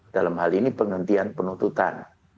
dalam hal ini penghentian penuntutan